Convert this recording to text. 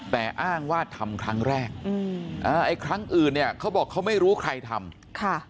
แต่อ้างว่าทำครั้งแรกครั้งอื่นเนี่ยเขาบอกเขาไม่รู้ใครทำ